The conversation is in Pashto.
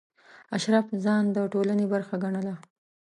اشراف ځان د ټولنې برخه ګڼله.